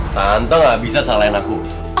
tante tidak bisa salahkan aku